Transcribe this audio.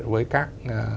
với các doanh nghiệp